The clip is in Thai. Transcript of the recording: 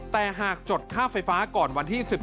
แต่หากจดค่าไฟฟ้าก่อนวันที่๑๓